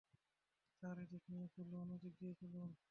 Sir, এদিক দিয়ে চলুন।